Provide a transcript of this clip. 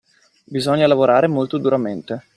Bisogna lavorare molto duramente